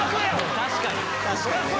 確かに。